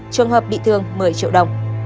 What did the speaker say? trường hợp bị thương một mươi triệu đồng